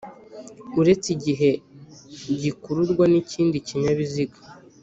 Uretse igihe gikururwa n'ikindi kinyabiziga